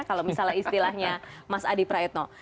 kalau misalnya istilahnya mas adi praetno